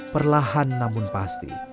perlahan namun pasti